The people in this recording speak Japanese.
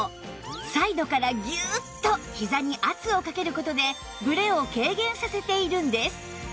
サイドからギューッとひざに圧をかける事でブレを軽減させているんです